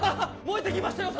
燃えて来ましたよ